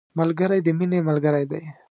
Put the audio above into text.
ملګری د مینې ملګری دی